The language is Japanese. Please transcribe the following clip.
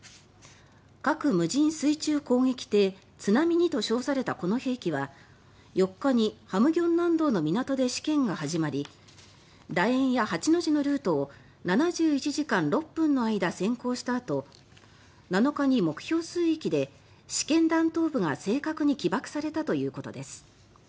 核無人水中攻撃艇「津波２」と称されたこの兵器は４日に咸鏡南道の港で試験が始まり楕円や８の字のルートを７１時間６分の間潜航したあと７日に目標水域で試験弾頭部が正確に起爆されたということです。